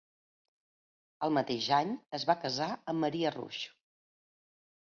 El mateix any es va casar amb Maria Rusch.